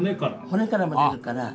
骨からも出るから。